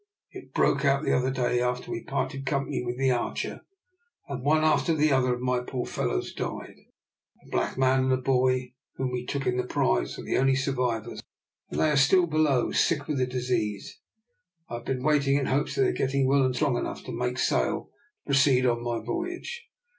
It broke out the other day after we parted company with the Archer, and one after the other my poor fellows died. A black man and boy, whom we took in the prize, are the only survivors, and they are still below sick with the disease. I have been waiting in hopes of their getting well and strong enough to make sail to proceed on my voyage.